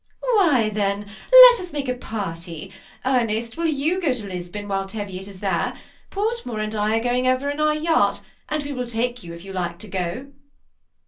" Well, then, let us make a party. Ernest, will you go to Lisbon while Teviot is there ? Portmore and I . are going over in our yacht, and we will take you if you like to go."